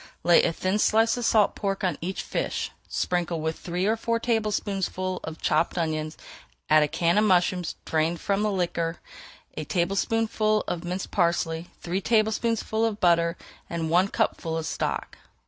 Lay a thin slice of salt pork on each fish, sprinkle with three or four tablespoonfuls of chopped onions, add a can of mushrooms drained from the liquor, a tablespoonful of minced parsley, three tablespoonfuls of butter, and one cupful of stock.